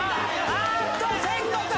あっと！